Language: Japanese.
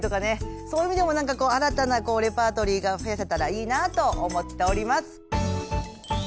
そういう意味でもなんかこう新たなレパートリーが増やせたらいいなあと思っております。